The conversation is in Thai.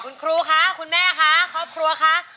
คุณครูคะคุณแม่คะครอบครัวคะ